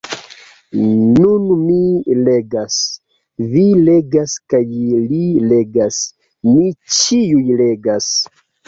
Nun mi legas, vi legas kaj li legas; ni ĉiuj legas.